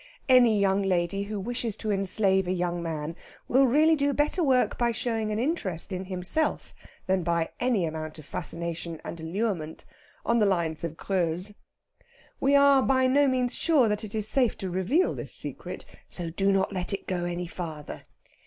Any young lady who wishes to enslave a young man will really do better work by showing an interest in himself than by any amount of fascination and allurement, on the lines of Greuze. We are by no means sure that it is safe to reveal this secret, so do not let it go any farther.